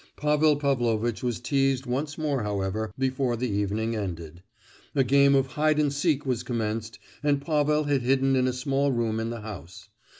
Pavel Pavlovitch was teased once more, however, before the evening ended. A game of "Hide and seek" was commenced, and Pavel had hidden in a small room in the house.